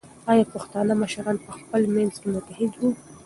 ایا پښتانه مشران په خپل منځ کې متحد وو؟